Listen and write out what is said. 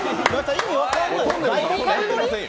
意味分かんない。